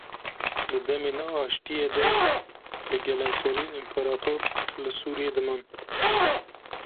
Di demên aşitiye de bi gelemperî împerator li Sûriyê diman.